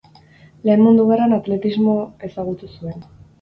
Lehen Mundu Gerran atletismo ezagutu zuen.